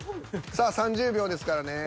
さあ３０秒ですからね。